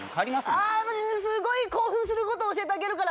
あー、すごい興奮すること教えてあげるから。